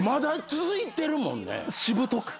しぶとく。